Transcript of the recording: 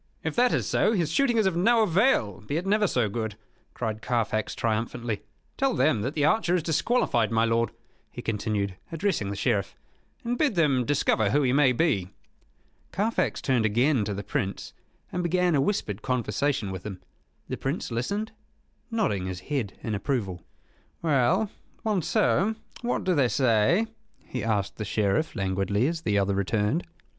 "If that is so, his shooting is of no avail, be it never so good," cried Carfax, triumphantly. "Tell them that the archer is disqualified, my lord," he continued, addressing the Sheriff; "and bid them discover who he may be." Carfax turned again to the Prince, and began a whispered conversation with him. The Prince listened, nodding his head in approval. "Well, Monceux, what do they say?" he asked the Sheriff, languidly, as the other returned.